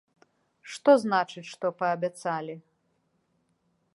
Што значыць, што паабяцалі?